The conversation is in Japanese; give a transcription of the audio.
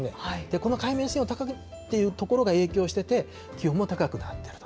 この海面水温高いというところが影響してて、気温も高くなってると。